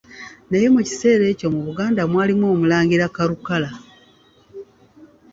Naye mu kiseera ekyo mu Buganda mwalimu Omulangira Karukara.